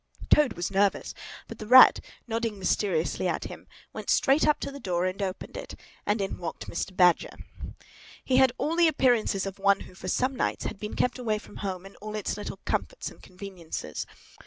Toad was nervous, but the Rat, nodding mysteriously at him, went straight up to the door and opened it, and in walked Mr. Badger. He had all the appearance of one who for some nights had been kept away from home and all its little comforts and conveniences.